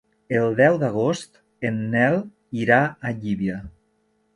El deu d'agost en Nel irà a Llívia.